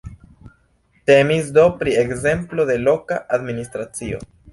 Temis do pri ekzemplo de loka administracio.